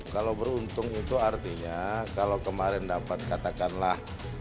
kalau beruntung itu artinya kalau kemarin dapat katakanlah